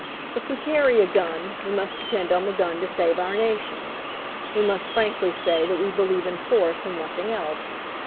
"If we carry a gun, we must depend on the gun to save our nation. We must frankly say that we believe in force and nothing else.